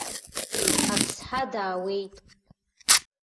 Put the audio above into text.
Аԥсҳа даауеит.